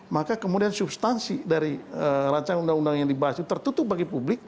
maka kemudian substansi dari rancangan undang undang yang dibahas itu tertutup bagi publik